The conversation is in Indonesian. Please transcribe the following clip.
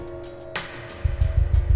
aku mau pergi